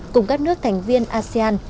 cùng các nước thành viên asean